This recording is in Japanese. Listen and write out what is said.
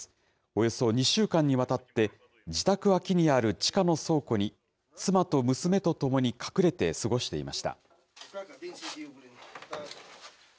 およそ２週間にわたって、自宅脇にある地下の倉庫に妻と娘と共に隠れて過ごしていました。